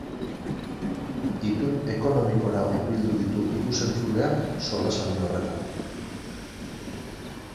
Itun ekonomikora hurbilduko ditu ikus-entzuleak solasaldi horretan.